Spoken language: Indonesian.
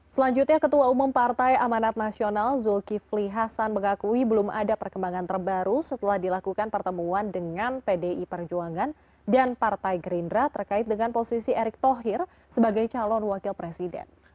selanjutnya ketua umum partai amanat nasional zulkifli hasan mengakui belum ada perkembangan terbaru setelah dilakukan pertemuan dengan pdi perjuangan dan partai gerindra terkait dengan posisi erick thohir sebagai calon wakil presiden